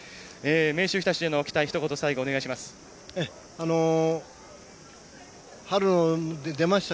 明秀日立への期待、最後、ひと言お願いします。